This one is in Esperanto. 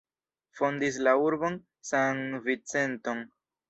Fondis la urbon San-Vicenton.